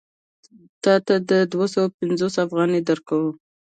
تا ته دوه سوه پنځوس افغانۍ درکوي